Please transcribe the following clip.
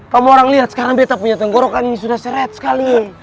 kamu orang lihat sekarang beta punya tenggorokan ini sudah seret sekali